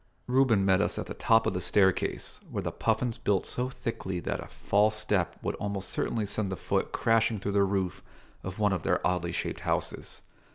Reuben met us at the top of the staircase, where the puffins built so thickly that a false step would almost certainly send the foot crashing through the roof of one of their oddly shaped houses.